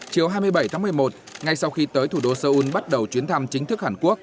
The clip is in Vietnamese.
chiều hai mươi bảy tháng một mươi một ngay sau khi tới thủ đô seoul bắt đầu chuyến thăm chính thức hàn quốc